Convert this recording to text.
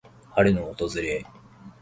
春の訪れ。